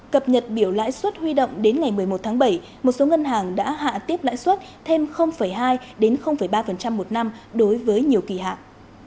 cập nhật biểu lãi suất huy động đến ngày một mươi một tháng bảy một số ngân hàng đã hạ tiếp lãi suất thêm hai ba một năm đối với nhiều kỳ hạn